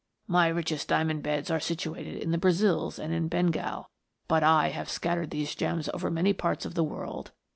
My richest diamond beds are situated in the Brazils and in Bengal, but I have scattered these gems over many parts of the world.